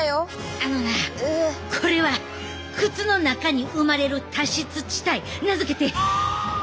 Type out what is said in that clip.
あのなこれは靴の中に生まれる多湿地帯名付けて足アマゾンや！